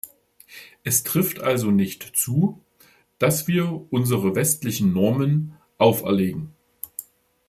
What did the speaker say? Es trifft also nicht zu, dass wir unsere westlichen Normen auferlegen.